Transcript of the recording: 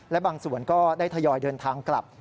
และบางส่วนก็ได้ทยอยเดินทางกลับ